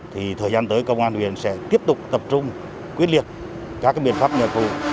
thời gian tới công an huyện sẽ tiếp tục tập trung quyết liệt các biện pháp nhà cụ